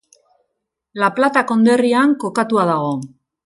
La Plata konderrian kokatua dago.